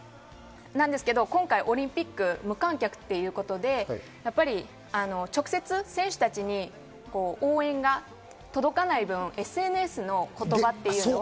ですけど、今回オリンピック、無観客ということで直接、選手たちに応援が届かない分、ＳＮＳの言葉っていうのは。